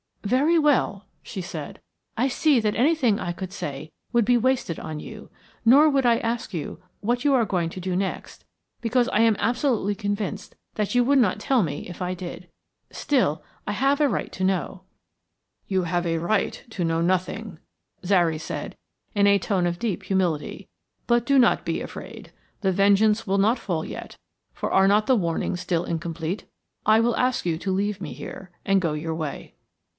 "Very well," she said, "I see that anything I could say would be wasted on you, nor would I ask you what you are going to do next, because I am absolutely convinced that you would not tell me if I did. Still, I have a right to know " "You have a right to know nothing," Zary said, in a tone of deep humility. "But do not be afraid the vengeance will not fall yet, for are not the warnings still incomplete? I will ask you to leave me here and go your way."